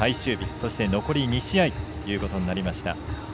そして、残り２試合ということになりました。